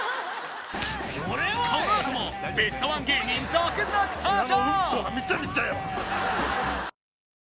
このあともベストワン芸人続々登場！